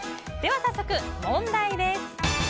では早速、問題です。